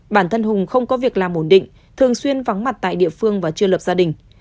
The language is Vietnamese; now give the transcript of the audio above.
bản thân hùng không có việc làm ổn định thường xuyên vắng mặt tại địa phương và chưa lập gia đình